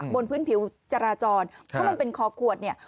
บนพื้นผิวจราจรเขาเป็นคอขวด